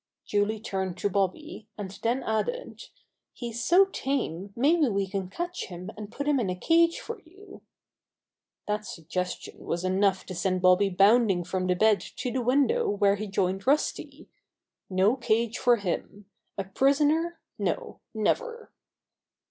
Julie turned to Bobby, and then added: "He's so tame maybe we can catch him and put him in a cage for you." That suggestion was enough to send Bobby bounding from the bed to the window where he joined Rusty. No cage for him. A pris oner? No, never!